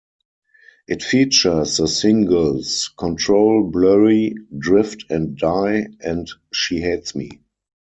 It features the singles "Control," "Blurry," "Drift and Die" and "She Hates Me".